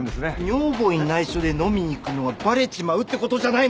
女房に内緒で飲みに行くのがバレちまうって事じゃないの！？